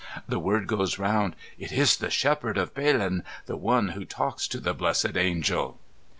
The word goes round, ''It is the shepherd of Bden, the one who talks to the blessed angel."